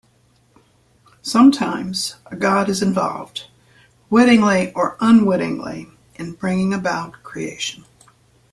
Sometimes, a god is involved, wittingly or unwittingly, in bringing about creation.